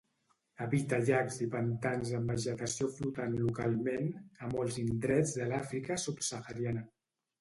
Habita llacs i pantans amb vegetació flotant localment, a molts indrets de l'Àfrica Subsahariana.